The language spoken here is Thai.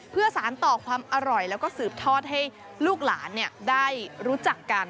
เพื่อสารต่อความอร่อยแล้วก็สืบทอดให้ลูกหลานได้รู้จักกัน